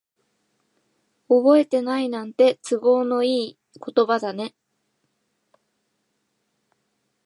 覚えてないなんて、都合のいい言葉だね。